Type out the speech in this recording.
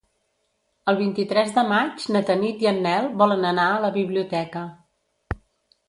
El vint-i-tres de maig na Tanit i en Nel volen anar a la biblioteca.